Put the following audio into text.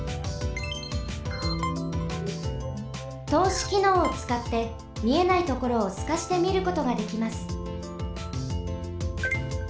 とうしきのうをつかってみえないところをすかしてみることができます。